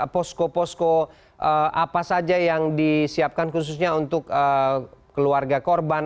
posko posko apa saja yang disiapkan khususnya untuk keluarga korban